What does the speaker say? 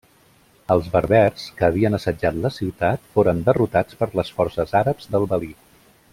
Els berbers que havien assetjat la ciutat, foren derrotats per les forces àrabs del valí.